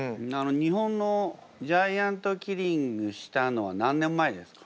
日本のジャイアントキリングしたのは何年前ですか？